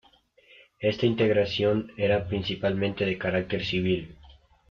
Esta integración era principalmente de carácter civil.